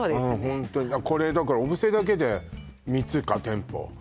ホントにこれだから小布施だけで３つか店舗